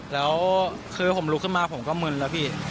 แล้วคือผมลุกขึ้นมาผมก็มึนแล้วพี่